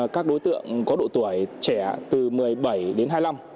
các đối tượng có độ tuổi trẻ từ một mươi bảy đến hai mươi năm